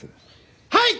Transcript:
はい！